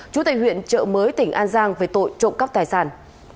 chủ tịch huyện chợ mới tỉnh an giang về tội trộm cắp tài sản